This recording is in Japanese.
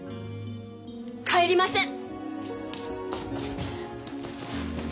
帰りません。